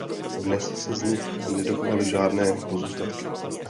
Dnes se z nich nedochovaly žádné pozůstatky.